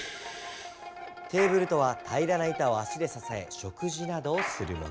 テーブルとはたいらないたをあしでささえ食じなどをするもの。